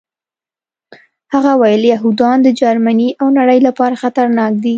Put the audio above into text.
هغه وویل یهودان د جرمني او نړۍ لپاره خطرناک دي